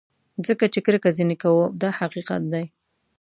ځکه چې کرکه ځینې کوو دا حقیقت دی.